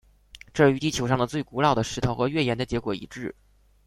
这与地球上的最古老的石头和月岩的结果一致。